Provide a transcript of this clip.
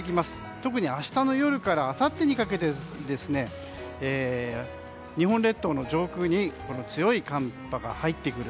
特に明日の夜からあさってにかけて日本列島の上空に強い寒波が入ってくる。